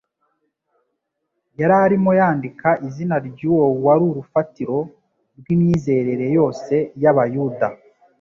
yari arimo yandika izina ry'Uwo wari urufatiro rw'imyizerere yose y'Abayuda